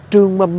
trường mầm nguyên